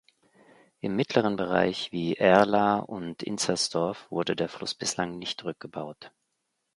Im mittleren Bereich, wie in Erlaa und Inzersdorf, wurde der Fluss bislang nicht rückgebaut.